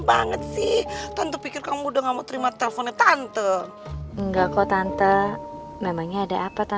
maksudnya adriana itu atu apa